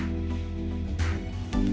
indonesia yang tergabung dalam negara indonesia